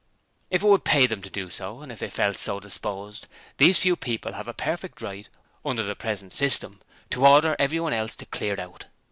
If it would pay them to do so, and if they felt so disposed, these few people have a perfect right under the present system to order everyone else to clear out!